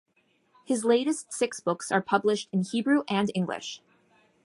His latest six books are published in Hebrew and English.